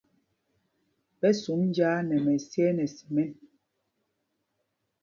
Ɓɛ sum njāā nɛ mɛsyɛɛ nɛ simɛn.